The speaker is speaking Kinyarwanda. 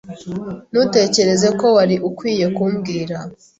Ntutekereza ko wari ukwiye kumbwira?